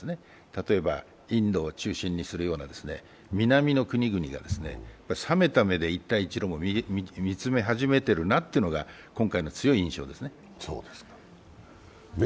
例えばインドを中心にするような南の国々が冷めた目で一帯一路を見つめ始めているなというのが今回の強い印象ですね。